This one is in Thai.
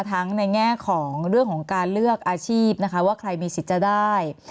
ทั้งในแง่ของเรื่องของการเลือกอาชีพนะคะว่าใครมีสิทธิ์จะได้